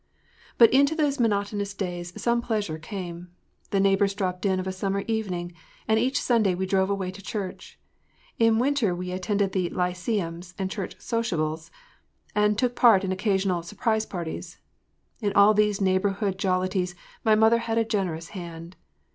BUT into those monotonous days some pleasure came. The neighbors dropped in of a summer evening, and each Sunday we drove away to church. In winter we attended all the “ly ceums” and church “sociables,” and took part in occasional “surprise parties.” In all these neighborhood jollities my mother had a generous hand.